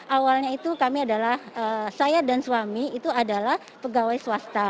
awalnya itu kami adalah saya dan suami itu adalah pegawai swasta